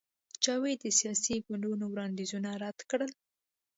جاوید د سیاسي ګوندونو وړاندیزونه رد کړل